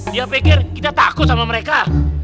dia pikir kita takut sama mereka